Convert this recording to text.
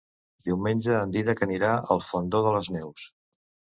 Diumenge en Dídac anirà al Fondó de les Neus.